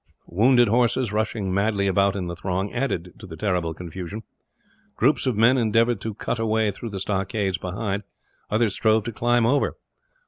Wounded horses, rushing wildly about in the throng, added to the terrible confusion. Groups of men endeavoured to cut a way through the stockades behind, others strove to climb over.